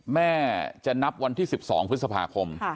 แม่จะนับวันที่๑๒พฤษภาคม